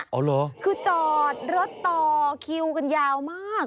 อ๋อเหรอคือจอดรถต่อคิวกันยาวมาก